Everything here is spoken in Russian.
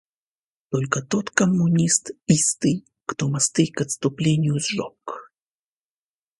Только тот коммунист истый, кто мосты к отступлению сжег.